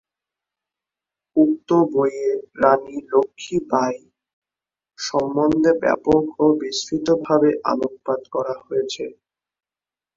উক্ত বইয়ে রাণী লক্ষ্মী বাঈ সম্বন্ধে ব্যাপক ও বিস্তৃতভাবে আলোকপাত করা হয়েছে।